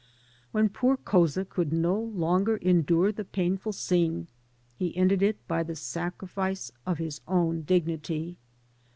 When poor Couza could no longer endure the painful scene, he ended it by the sacrifice of his own dignity.